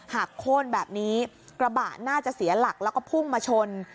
โค้นแบบนี้กระบะน่าจะเสียหลักแล้วก็พุ่งมาชน